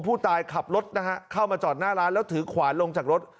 ผู้ตายขับรถนะฮะเข้ามาจอดหน้าร้านแล้วถือขวานลงจากรถ